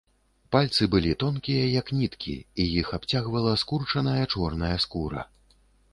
Пальцы былі тонкія, як ніткі, і іх абцягвала скурчаная чорная скура.